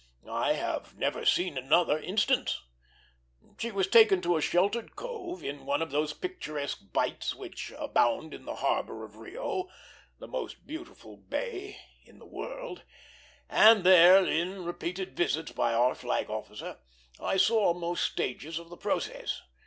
I have never seen another instance. She was taken to a sheltered cove, in one of those picturesque bights which abound in the harbor of Rio, the most beautiful bay in the world, and there, in repeated visits by our flag officer, I saw most stages of the process.